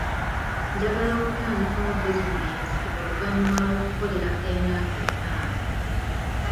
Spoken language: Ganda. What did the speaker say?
Njagala okutandikawo bizinensi oluvannyuma lw'okukolera emyaka etaano.